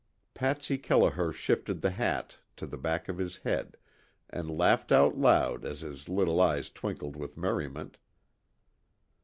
Patsy Kelliher shifted the hat to the back of his head and laughed out loud as his little eyes twinkled with merriment.